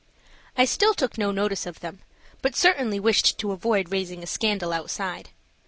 I still took no notice of them, but certainly wished to avoid raising a scandal outside.